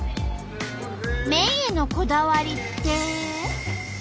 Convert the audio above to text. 麺へのこだわりって？